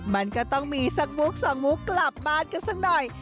มันก็ต้องมีสักมุกสองมุกกลับบ้านกันสักหน่อย